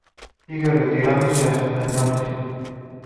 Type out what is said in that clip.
Siguió retirándose hacia el norte.